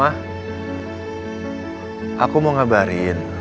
ma aku mau ngabari